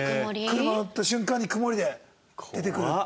車乗った瞬間に曇りで出てくるって。